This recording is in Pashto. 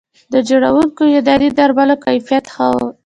د جوړېدونکو یوناني درملو کیفیت ښه و